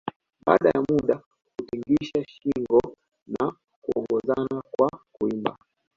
Baada ya muda hutingisha shinngo na huongozana kwa kuimba